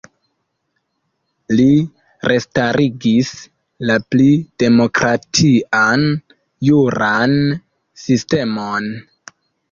Li restarigis la pli demokratian juran sistemon.